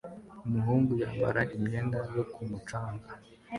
umuhungu yambara imyenda yo ku mucanga